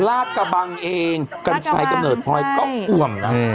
ลาดกะบังเองกันไชกระเนิดพร้อยก็อุ่มนะฮะ